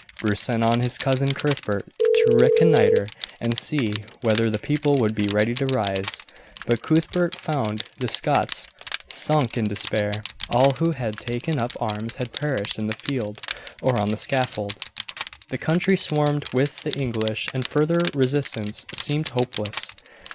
Bruce sent on his cousin Cuthbert to reconnoitre and see whether the people would be ready to rise, but Cuthbert found the Scots sunk in despair. All who had taken up arms had perished in the field or on the scaffold. The country swarmed with the English, and further resistance seemed hopeless.